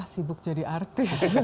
sibuk jadi artis